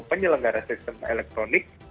penyelenggara sistem elektronik